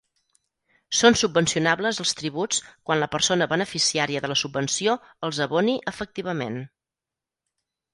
Són subvencionables els tributs, quan la persona beneficiària de la subvenció els aboni efectivament.